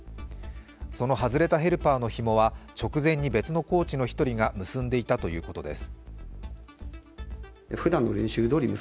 その外れたヘルパーのひもは、直前に別のコーチの１人が結んでいたということです。